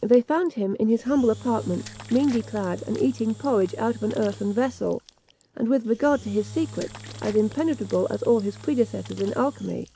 They found him in his humble apartment, meanly clad, and eating porridge out of an earthen vessel; and with regard to his secret, as impenetrable as all his predecessors in alchymy.